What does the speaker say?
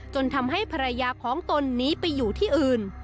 จนทำให้ภรรยาของตนหนีไปอยู่ที่อื่น